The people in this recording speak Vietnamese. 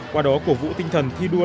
qua đó cổ vũ tinh thần thi đua